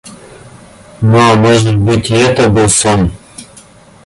Но, может быть, и это был сон?